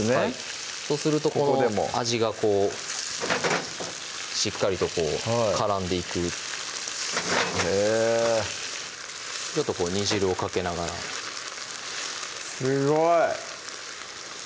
そうするとこの味がしっかりと絡んでいくへぇちょっと煮汁をかけながらすごい！